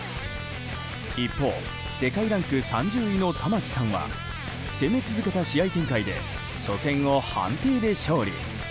一方世界ランク３０位の玉木さんは攻め続けた試合展開で初戦を判定で勝利。